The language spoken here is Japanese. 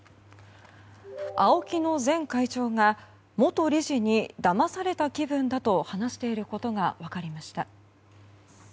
ＡＯＫＩの前会長が元理事にだまされた気分だと話していることが分かりました。